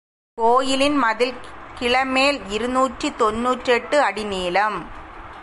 கோயிலின் மதில் கிழ மேல் இருநூற்று தொன்னூற்றெட்டு அடி நீளம்.